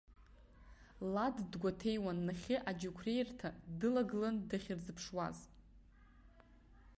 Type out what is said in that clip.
Лад дгәаҭеиуан, нахьхьи аџьықәреирҭа далагыланы дахьырзыԥшуаз.